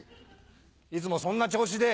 いつもそんな調子で。